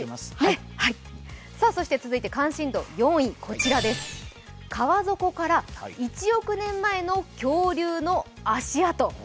そして続いて関心度４位川底から１億年前の恐竜の足跡。